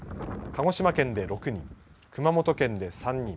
鹿児島県で６人、熊本県で３人。